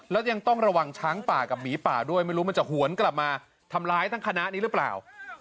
แล้วยังต้องระวังช้างป่ากับหมีป่าด้วยไม่รู้มันจะหวนกลับมาทำร้ายทั้งคณะนี้หรือเปล่า